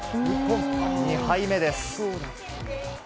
日本、２敗目です。